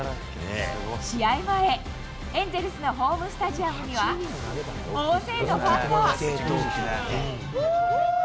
試合前、エンゼルスのホームスタジアムには、大勢のファンが。